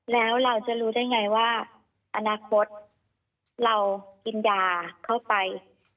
แล้วเราจะรู้ได้ไงว่าอนาคตเรากินยาเข้าไป